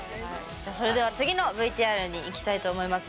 じゃそれでは次のＶＴＲにいきたいと思います。